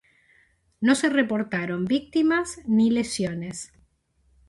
No se reportaron víctimas ni lesiones.